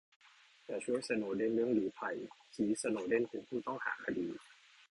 อย่าช่วยสโนว์เดนเรื่องลี้ภัย ชี้สโนว์เดนเป็นผู้ต้องหาคดี